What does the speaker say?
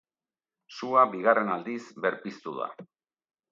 Sua bigarren aldiz berpiztu da.